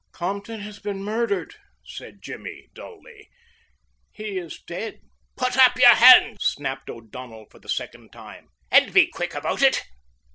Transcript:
"Compton has been murdered," said Jimmy dully. "He is dead." "Put up your hands," snapped O'Donnell for the second time, "and be quick about it!"